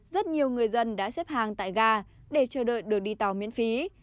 rất nhiều người dân đã xếp hàng tại ga để chờ đợi được đi tàu miễn phí